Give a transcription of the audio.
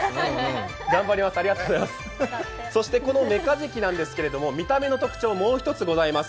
そしてこのメカジキなんですけど見た目の特徴、もう１つございます。